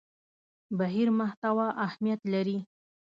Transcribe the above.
بهیر محتوا اهمیت لري.